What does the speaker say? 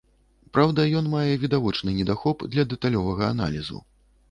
Праўда, ён мае відавочны недахоп для дэталёвага аналізу.